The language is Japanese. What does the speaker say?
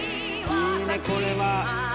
いいねこれは。